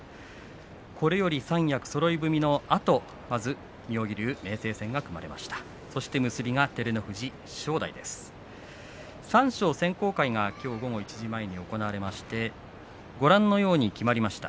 これより三役そろい踏みのあとまず妙義龍、明生戦が組まれました。